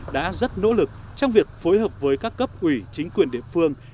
đã rất nỗ lực trong việc phối hợp với các cấp ủy chính quyền địa phương